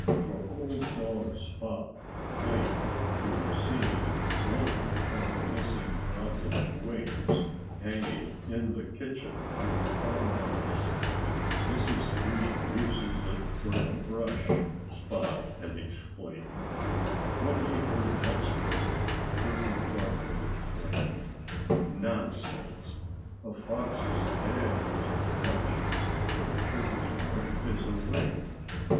For old dog Spot claimed to have seen one of the missing gobbler's wings hanging in the kitchen of the farmhouse. "Mrs. Green uses it for a brush," Spot had explained. When he heard that story Turkey Proudfoot exclaimed, "Nonsense! A Fox's tail is a brush. But a Turkey's wing is a wing.